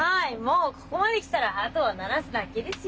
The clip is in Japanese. もうここまできたらあとはならすだけですよ。